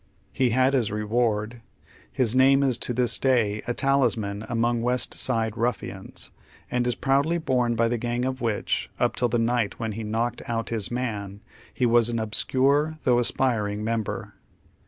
He had his reward. His name is to this day a talisman among West Side ruffians, and is proudly borne by the gang of which, up till the night when he " knocked out his man," he was an obscure though aspiring member.